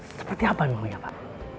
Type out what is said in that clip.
seperti apa emangnya pak